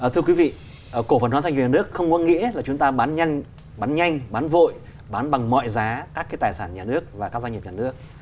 thưa quý vị cổ phần hóa doanh nghiệp nhà nước không có nghĩa là chúng ta bán nhanh bán nhanh bán vội bán bằng mọi giá các cái tài sản nhà nước và các doanh nghiệp nhà nước